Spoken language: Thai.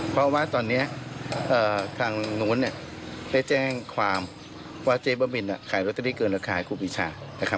เพราะว่าตอนนี้ทางนวลได้แจ้งความว่าเจ๊บ้าบินขายโรตเตอรี่เกินราคาให้ผูกวิชา